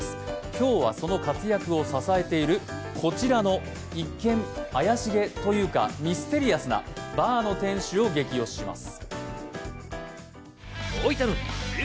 今日はその活躍を支えているこちらの一見、怪しげというかミステリアスなバーの店主をゲキ推しします。